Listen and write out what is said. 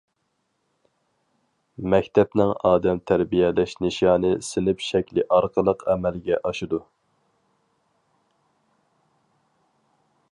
مەكتەپنىڭ ئادەم تەربىيەلەش نىشانى سىنىپ شەكلى ئارقىلىق ئەمەلگە ئاشىدۇ.